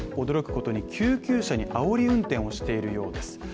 驚くことに救急車にあおり運転をしているようです。